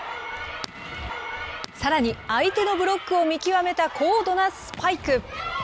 さらに、相手のブロックを見極めた高度なスパイク。